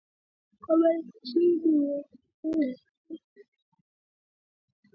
kwa malipo ya shilingi bilioni thelathini na nne za Kenya